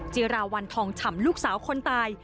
จิราวันทองฉ่ำลูกสาวคนตาย